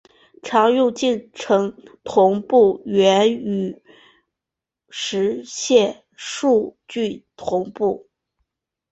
常用进程同步原语实现数据同步。